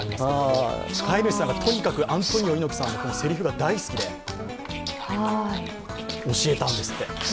飼い主さんがアントニオ猪木さんのせりふが大好きで教えたんですって。